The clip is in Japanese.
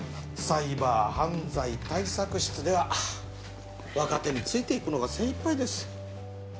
サイバー犯罪対策室では若手についていくのが精いっぱいです。